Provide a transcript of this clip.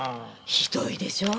ひどいでしょ？